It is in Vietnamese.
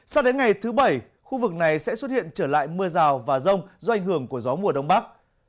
sao đến ngày thứ bảy khu vực này sẽ xuất hiện trở lại mưa rào và rông do ảnh hưởng của gió mùa đông bắc